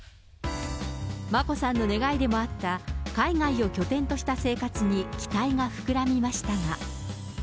眞子さんの願いでもあった、海外を拠点とした生活に、期待が膨らみましたが。